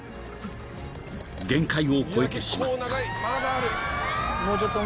［限界を超えてしまった］